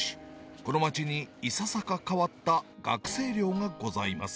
この街にいささか変わった学生寮がございます。